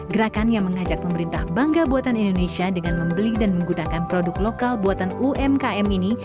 gerakan yang mengajak pemerintah bangga buatan indonesia dengan membeli dan menggunakan produk lokal buatan umkm ini